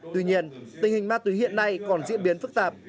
tuy nhiên tình hình ma túy hiện nay còn diễn biến phức tạp